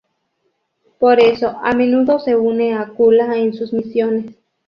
Por eso, a menudo se une a Kula en sus misiones.